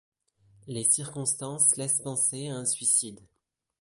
Les circonstances laissent penser à un suicide.